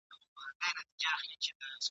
دلته هر یو چي راغلی خپل نوبت یې دی تېر کړی !.